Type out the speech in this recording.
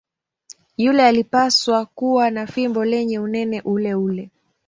Yule alipaswa kuwa na fimbo lenye unene uleule.